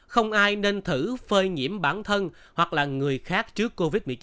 không ai nên thử phơi nhiễm bản thân hoặc là người khác trước covid một mươi chín